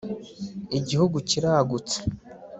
igihugu kiragutse